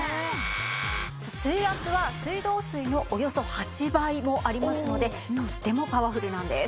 水圧は水道水のおよそ８倍もありますのでとってもパワフルなんです。